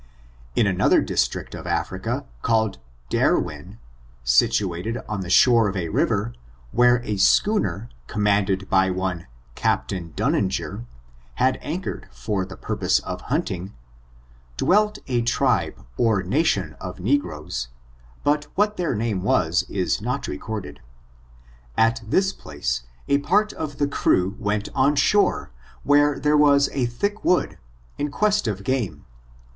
In another district of Africa, called Derwin, situated on the shore of a river, where a schooner, command ed by one Captain Dunninger, had anchored for the 10» t%^^^rf^^^«« 234 ORIGIN, CHARACT£R| AND purpose of hunting, dwelt a tribe, or nation, of ne groes, but what their name was is not recorded. At this place, a part of the crew went on shore, where there was a thick wood, m quest of game.